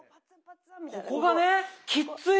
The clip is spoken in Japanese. ここがねきっつい